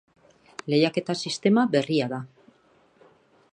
Lehiaketa sistema berria da.